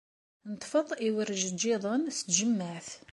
Neḍḍef-d iwerjejjiḍen s tjemmaɛt.